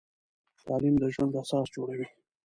تعلیم د ژوند اساس جوړوي.